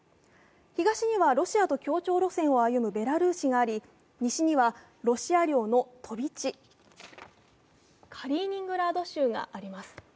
東にはロシアと協調路線を歩むベラルーシがあり、西にはロシア領の飛び地、カリーニングラード州があります。